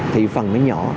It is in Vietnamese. thì phần nó nhỏ